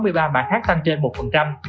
một trăm sáu mươi ba mã khác tăng trên một